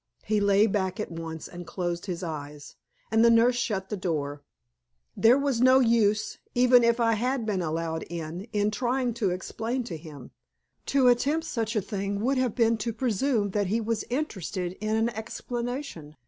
He lay back at once and closed his eyes, and the nurse shut the door. There was no use, even if I had been allowed in, in trying to explain to him. To attempt such a thing would have been to presume that he was interested in an explanation.